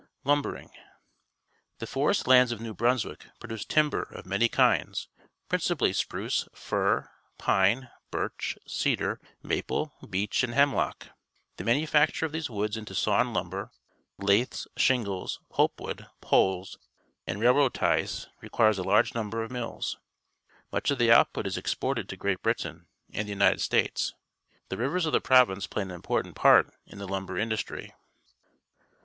Lumbering. — The forest lands of New Brunswick produce timber of many kinds, principally spruce, fir, pine, birch, ceda r, maple, beec h, and hemlock. The manufac ture of these woods into sawn lumber, Jathsj_ shingles, pulp wood, pdles, and railway ties Requires a large nuniber df mills. Much (if the output is exported to (Ireat Britain and the United States. The rivers of the province play an important part in the lumber industry